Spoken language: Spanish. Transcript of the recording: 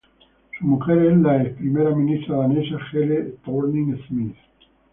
Su mujer es la ex Primera ministra danesa Helle Thorning-Schmidt.